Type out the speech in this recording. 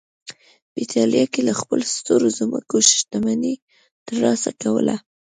په اېټالیا کې له خپلو سترو ځمکو شتمني ترلاسه کوله